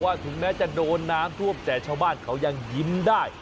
ถึงแม้จะโดนน้ำท่วมแต่ชาวบ้านเขายังยิ้มได้